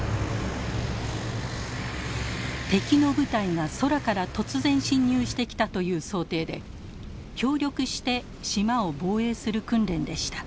敵の部隊が空から突然侵入してきたという想定で協力して島を防衛する訓練でした。